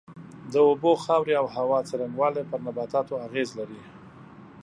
د اوبو، خاورې او هوا څرنگوالی پر نباتاتو اغېز لري.